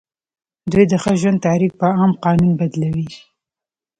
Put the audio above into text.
دوی د ښه ژوند تعریف په عام قانون بدلوي.